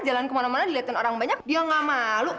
jalan kemana mana diliatin orang banyak dia ga malu